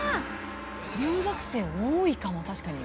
留学生多いかも確かに。